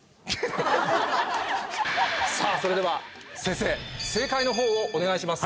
さぁそれでは先生正解のほうをお願いします。